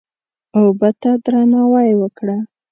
اوبه ته درناوی وکړه.